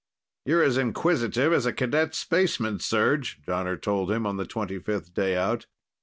"You're as inquisitive as a cadet spaceman, Serj," Jonner told him on the twenty fifth day out.